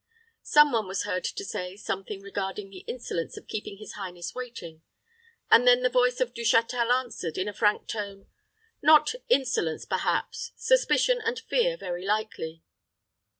Some one was heard to say something regarding the insolence of keeping his highness waiting; and then the voice of Du Châtel answered, in a frank tone, "Not insolence, perhaps suspicion and fear, very likely."